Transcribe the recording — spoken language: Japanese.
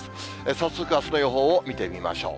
早速、あすの予報を見てみましょう。